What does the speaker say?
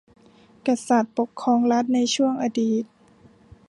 กษัตริย์ปกครองรัฐในช่วงอดีต